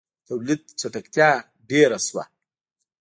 • د تولید چټکتیا ډېره شوه.